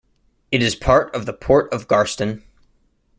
It is part of the Port of Garston.